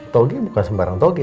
toge bukan sembarang toge